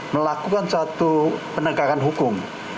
melakukan suatu penegakan hukum